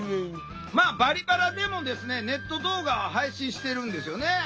まあ「バリバラ」でもネット動画配信してるんですよね。